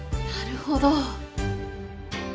なるほど。